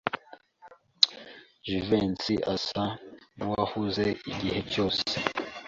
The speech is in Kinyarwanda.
Jivency asa nkuwahuze igihe cyose.